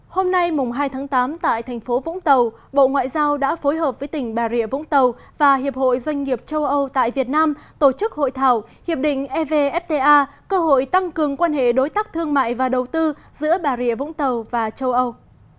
hôm nay hai tháng tám tại thành phố vũng tàu bộ ngoại giao đã phối hợp với tỉnh bà rịa vũng tàu và hiệp hội doanh nghiệp châu âu tại việt nam tổ chức hội thảo hiệp định evfta cơ hội tăng cường quan hệ đối tác thương mại và đầu tư giữa bà rịa vũng tàu và châu âu